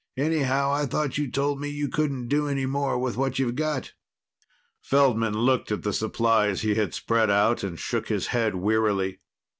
Anyhow, I thought you told me you couldn't do any more with what you've got." Feldman looked at the supplies he had spread out, and shook his head wearily.